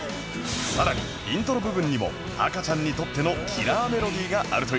更にイントロ部分にも赤ちゃんにとってのキラーメロディがあるという